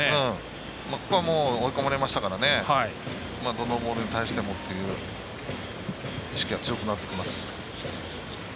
ここは、追い込まれましたからどのボールに対してもっていう意識は強くなってきます。